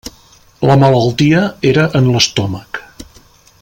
La malaltia era en l'estómac.